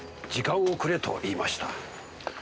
時間をくれ」と言いました。